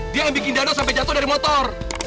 dia ngebikin dado sampe jatuh dari motor